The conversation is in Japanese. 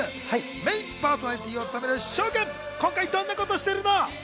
メインパーソナリティーを務める紫耀君、今回どんなことしてるの？